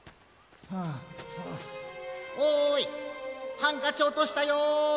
ハンカチおとしたよ！